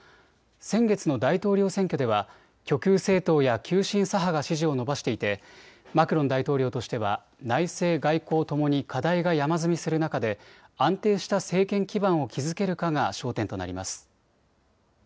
先月の大統領選挙では極右政党や急進左派が支持を伸ばしていてマクロン大統領としては内政、外交ともに課題が山積する中で安定した政権基盤を築けるかが焦点となります。